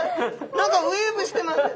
何かウエーブしてます。